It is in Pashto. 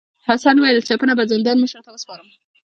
حسن وویل چپنه به زندان مشر ته وسپارم.